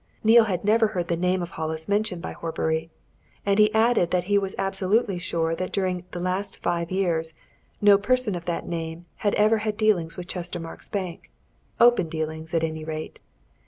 Neale had never heard the name of Hollis mentioned by Horbury. And he added that he was absolutely sure that during the last five years no person of that name had ever had dealings with Chestermarke's Bank open dealings, at any rate.